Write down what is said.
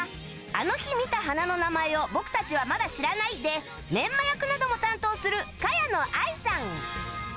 『あの日見た花の名前を僕達はまだ知らない。』でめんま役なども担当する茅野愛衣さん